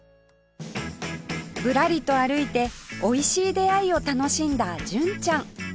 ぶらりと歩いておいしい出会いを楽しんだ純ちゃん